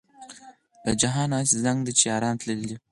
له جهانه هسې زنګ دی چې یاران تللي دي.